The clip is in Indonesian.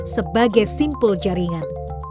sebagai simpul jaringan